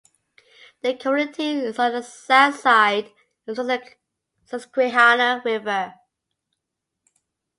The community is on the south side of the Susquehanna River.